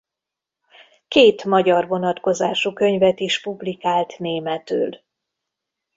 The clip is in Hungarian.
Két magyar vonatkozású könyvet is publikált németül.